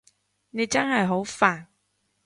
你真係好煩